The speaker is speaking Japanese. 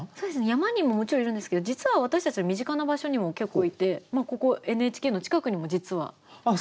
山にももちろんいるんですけど実は私たちの身近な場所にも結構いてここＮＨＫの近くにも実は。